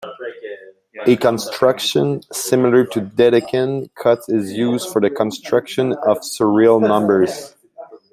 A construction similar to Dedekind cuts is used for the construction of surreal numbers.